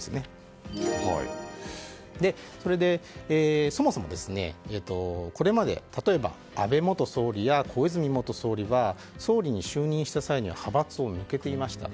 それで、そもそもこれまで例えば安倍元総理や小泉元総理が総理に就任した際は派閥を抜けていました。